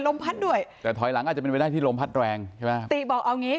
พัดด้วยแต่ถอยหลังอาจจะเป็นไปได้ที่ลมพัดแรงใช่ไหมติบอกเอางี้